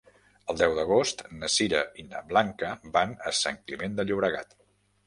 El deu d'agost na Sira i na Blanca van a Sant Climent de Llobregat.